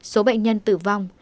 số bệnh nhân tử vong